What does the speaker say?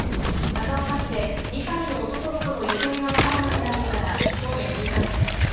高岡市で２歳の男の子の行方が分からなくなってからきょうで６日目です。